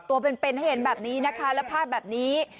ตัวเป็นให้เห็นแบบนี้นะคะแล้วภาพแบบนี้